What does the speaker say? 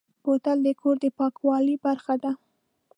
بوتل د کور د پاکوالي برخه ده.